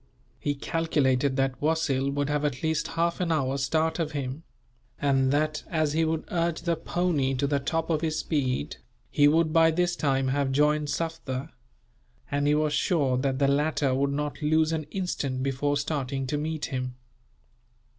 He calculated that Wasil would have at least half an hour's start of him; and that, as he would urge the pony to the top of his speed, he would by this time have joined Sufder; and he was sure that the latter would not lose an instant before starting to meet him.